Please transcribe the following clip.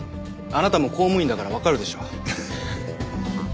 あなたも公務員だからわかるでしょ。